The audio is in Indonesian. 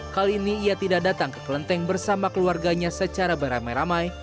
kali ini ia tidak datang ke kelenteng bersama keluarganya secara beramai ramai